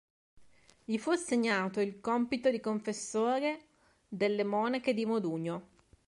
Gli fu assegnato il compito di confessore delle Monache di Modugno.